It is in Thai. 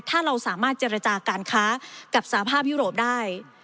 ถ้าเราสามารถเจรจาการค้ากับสหภาพยุโรปได้